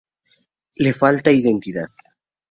Le falta identidad.